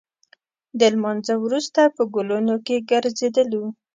د لمانځه وروسته په ګلونو کې ګرځېدلو.